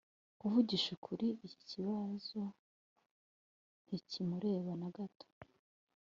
kuvugisha ukuri, iki kibazo ntikimureba na gato